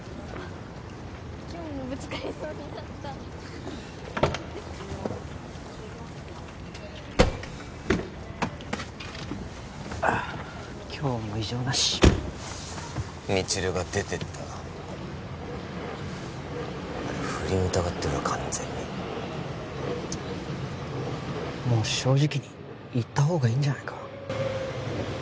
今日もぶつかりそうになった今日も異常なし未知留が出てったあれ不倫疑ってるわ完全にもう正直に言ったほうがいいんじゃないか？